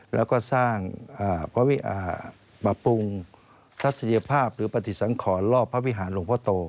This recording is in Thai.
แล้วก็สร้างปรับปรุงทัศนียภาพหรือปฏิสังขรรอบพระวิหารหลวงพ่อโต